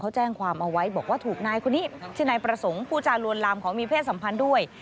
เขาแจ้งความเอาไว้บอกว่าถูกนายคนนี้ชื่อนายประสงค์ผู้จารวนลามขอมีเพศสัมพันธ์ด้วย